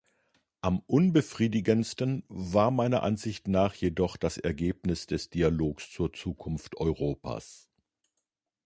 Am unbefriedigendsten war meiner Ansicht nach jedoch das Ergebnis des Dialogs zur Zukunft Europas.